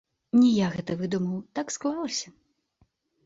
Не я гэта выдумаў, так склалася.